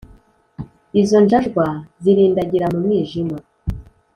izo njajwa zirindagira mu mwijima